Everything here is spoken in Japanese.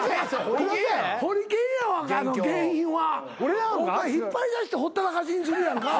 お前引っ張り出してほったらかしにするやんか。